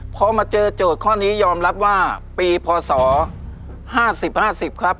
พอมาเจอโจทย์ข้อนี้ยอมรับว่าปีพศห้าสิบห้าสิบครับ